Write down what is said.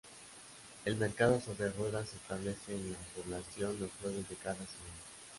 El mercado sobre ruedas se establece en la población los jueves de cada semana.